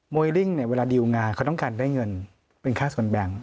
ริ่งเนี่ยเวลาดิวงานเขาต้องการได้เงินเป็นค่าส่วนแบ่ง